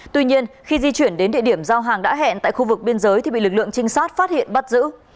tuy nhiên khi di chuyển đến địa điểm giao hàng đã hẹn tại khu vực biên giới thì bị lực lượng trinh sát phát hiện bắt giữ